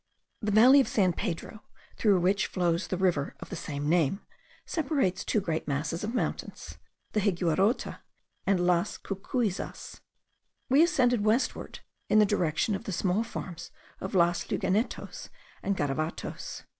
The valley of San Pedro, through which flows the river of the same name, separates two great masses of mountains, the Higuerote and Las Cocuyzas. We ascended westward in the direction of the small farms of Las Lagunetos and Garavatos.